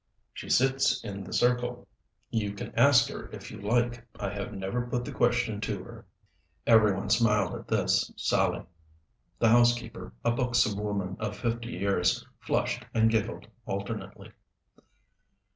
"She sits in the circle. You can ask her if you like. I have never put the question to her." Every one smiled at this sally. The housekeeper, a buxom woman of fifty years, flushed and giggled alternately.